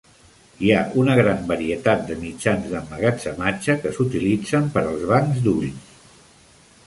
Hi ha una gran varietat de mitjans d'emmagatzematge que s'utilitzen per als bancs d'ulls.